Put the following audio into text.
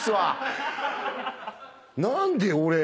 何で俺。